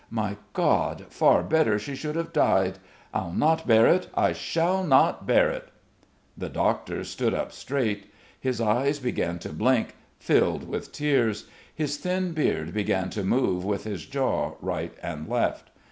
My God, far better she should have died. I'll not bear it. I shall not bear it." The doctor stood up straight. His eyes began to blink, filled with tears; his thin beard began to move with his jaw right and left.